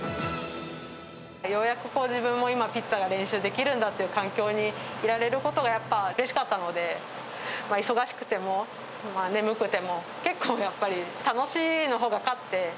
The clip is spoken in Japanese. ようやく自分もピッツァが練習できるんだっていう環境にいられることがやっぱ、うれしかったので、忙しくても、眠くても、結構やっぱり、楽しいのほうが勝って。